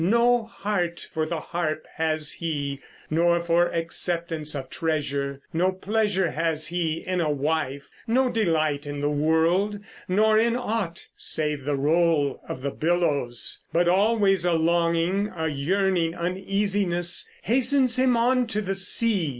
No heart for the harp has he, nor for acceptance of treasure, No pleasure has he in a wife, no delight in the world, Nor in aught save the roll of the billows; but always a longing, A yearning uneasiness, hastens him on to the sea.